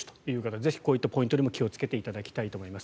ぜひこういうポイントにも気をつけていただきたいと思います。